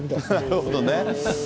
なるほどね。